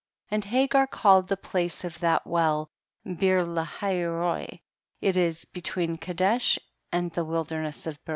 35. And Hagar called the place of that well Beer lahai roi, it is be tween Kadcsh and the wilderness of Bered.